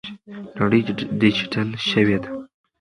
نړۍ ډیجیټل شوې ده.